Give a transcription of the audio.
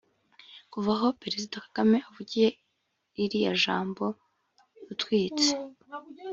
Kuva aho Perezida Kagame avugiye ririya jambo rutwitsi